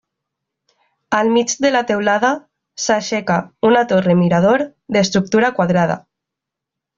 Al mig de la teulada s'aixeca una torre-mirador d'estructura quadrada.